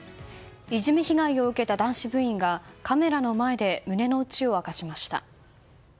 いじめ被害を受けた男子部員がカメラの前で胸の内を明かしました。